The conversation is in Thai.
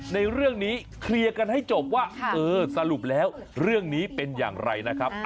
ในเรื่องนี้เคลียร์กันให้จบว่าเออสรุปแล้วเรื่องนี้เป็นอย่างไรนะครับ